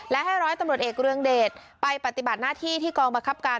และให้ร้อยตำรวจเอกเรืองเดชไปปฏิบัติหน้าที่ที่กองบังคับการ